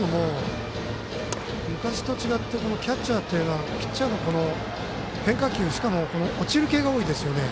昔と違ってキャッチャーはピッチャーの変化球しかも落ちる系が多いですよね。